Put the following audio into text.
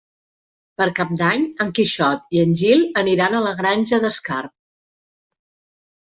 Per Cap d'Any en Quixot i en Gil aniran a la Granja d'Escarp.